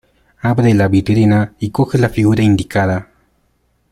Abre la vitrina y coge la figura indicada.